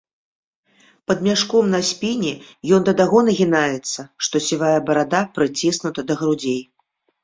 Пад мяшком на спіне ён да таго нагінаецца, што сівая барада прыціснута да грудзей.